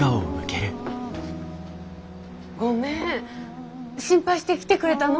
ごめん心配して来てくれたの？